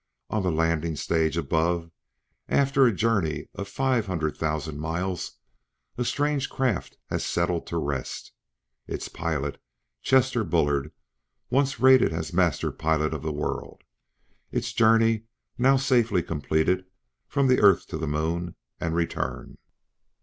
On the landing stage above, after a journey of five hundred thousand miles, a strange craft has settled to rest. Its pilot: Chester Bullard, once rated as Master Pilot of the World! Its journey, now safely completed: from the Earth to the Moon, and return!